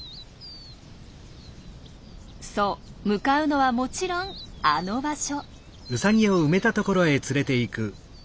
そう向かうのはもちろんあの場所。